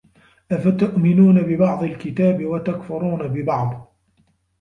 أَفَتُؤْمِنُونَ بِبَعْضِ الْكِتَابِ وَتَكْفُرُونَ بِبَعْضٍ ۚ